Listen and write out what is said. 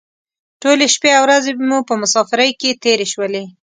ټولې شپې او ورځې مو په مسافرۍ کې تېرې شولې.